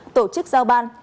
tổ chức giao ban